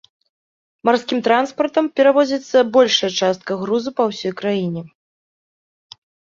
Марскім транспартам перавозіцца большая частка грузаў па ўсёй краіне.